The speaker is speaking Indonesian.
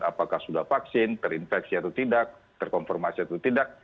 apakah sudah vaksin terinfeksi atau tidak terkonfirmasi atau tidak